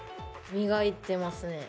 磨いてますね。